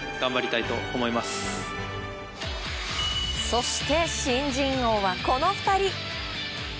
そして新人王はこの２人。